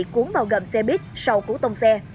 cuốn vào gầm xe buýt sau cú tông xe